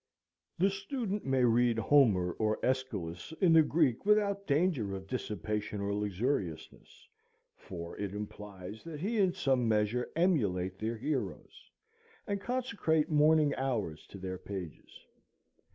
The student may read Homer or Æschylus in the Greek without danger of dissipation or luxuriousness, for it implies that he in some measure emulate their heroes, and consecrate morning hours to their pages.